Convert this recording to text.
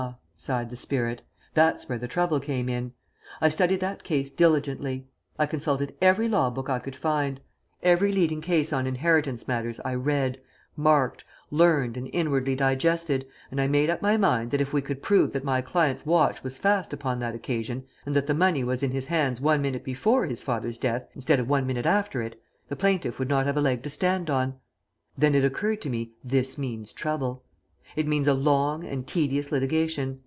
sighed the spirit, "there's where the trouble came in. I studied that case diligently. I consulted every law book I could find. Every leading case on inheritance matters I read, marked, learned and inwardly digested, and I made up my mind that if we could prove that my client's watch was fast upon that occasion, and that the money was in his hands one minute before his father's death instead of one minute after it, the plaintiff would not have a leg to stand on. Then it occurred to me 'this means trouble.' It means a long and tedious litigation.